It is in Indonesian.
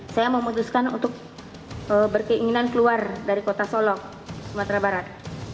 saya memutuskan untuk berkeinginan keluar dari kota solok sumatera barat